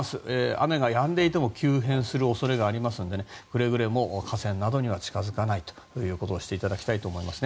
雨がやんでいても急変する恐れがあるのでくれぐれも河川などには近づかないようにしていただきたいです。